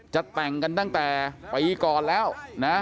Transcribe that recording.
จะแต่งกันตั้งแต่ปีก่อนแล้วนะ